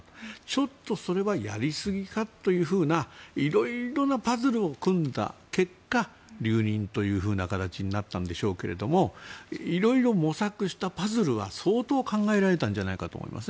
ちょっとそれはやりすぎかという色々なパズルを組んだ結果留任というふうな形になったんでしょうけど色々、模索したパズルは相当考えられたんじゃないかと思います。